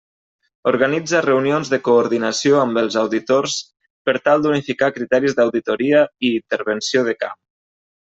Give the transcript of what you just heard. Organitza reunions de coordinació amb els auditors per tal d'unificar criteris d'auditoria i intervenció de camp.